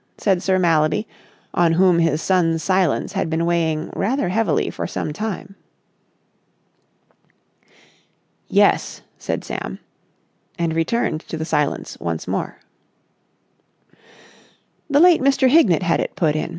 said Sir Mallaby, on whom his son's silence had been weighing rather heavily for some time. "Yes," said Sam, and returned to the silence once more. "The late Mr. Hignett had it put in.